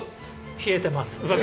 冷えてます。